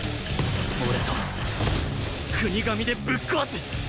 俺と國神でぶっ壊す！